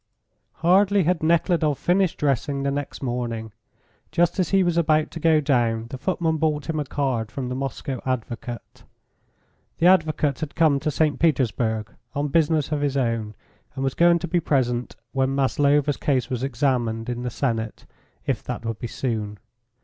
Hardly had Nekhludoff finished dressing the next morning, just as he was about to go down, the footman brought him a card from the Moscow advocate. The advocate had come to St. Petersburg on business of his own, and was going to be present when Maslova's case was examined in the Senate, if that would be soon.